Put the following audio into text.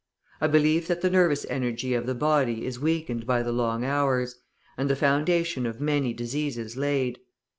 I believe that the nervous energy of the body is weakened by the long hours, and the foundation of many diseases laid.